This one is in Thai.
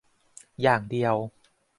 อย่างเดียว